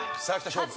勝負。